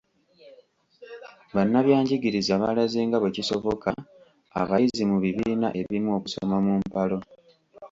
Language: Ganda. Bannabyanjigiriza balaze nga bwe kisoboka abayizi mu bibiina ebimu okusoma mu mpalo.